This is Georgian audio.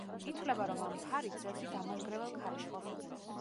ითვლება, რომ ამ ფარით ზევსი დამანგრეველ ქარიშხალს იწვევს.